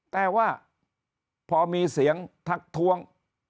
แต่ว่าพอมีเสียงทักท้วง